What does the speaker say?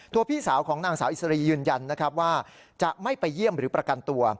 พี่สาวของนางสาวอิสรียืนยันนะครับว่าจะไม่ไปเยี่ยมหรือประกันตัว